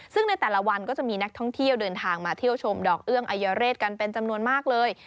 ซึ่งในแต่ละวันก็จะมีนักท่องเที่ยวเดินทางมาเที่ยวชมดอกเอื้องอายเรศกันเป็นจำนวนมากเลย